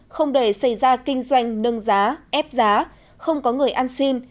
không để xảy ra kinh doanh nâng giá ép giá không có người ăn xin